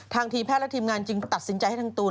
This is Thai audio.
ทีมแพทย์และทีมงานจึงตัดสินใจให้ทางตูน